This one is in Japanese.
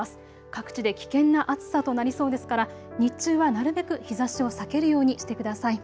各地で危険な暑さとなりそうですから日中はなるべく日ざしを避けるようにしてください。